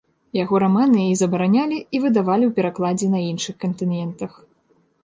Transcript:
Яго раманы і забаранялі, і выдавалі ў перакладзе на іншых кантынентах.